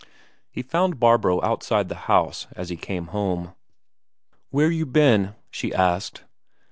He found Barbro outside the house as he came home. "Where you been?" she asked.